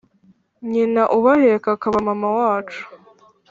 Nyina ubaheka akaba mama wacu